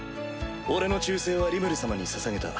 俺の忠誠はリムル様にささげた。